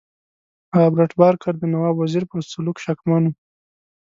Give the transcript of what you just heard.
رابرټ بارکر د نواب وزیر پر سلوک شکمن وو.